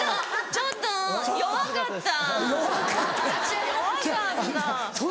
「ちょっと今の弱かった」。